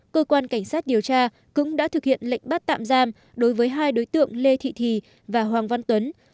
cơ quan cảnh sát điều tra cũng đã thực hiện lệnh bắt tạm giam đối với hai đối tượng lê thị thì và hoàng văn tuấn